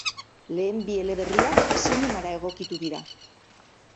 Lehen bi eleberriak zinemara egokitu dira.